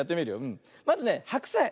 まずねハクサイ。